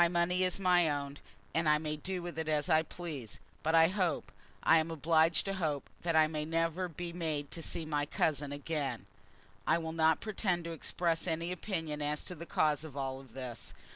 My money is my own, and I may do with it as I please. But I hope, I am obliged to hope, that I may never be made to see my cousin again. I will not pretend to express any opinion as to the cause of all this.